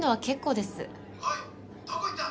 おいどこ行った？